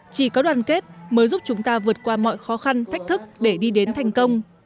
chỉ có đoàn kết mới giúp chúng ta vượt qua mọi khó khăn thách thức để đi đến thành công